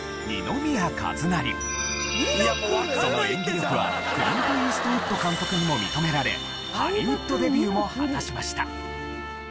その演技力はクリント・イーストウッド監督にも認められハリウッドデビューも果たしました。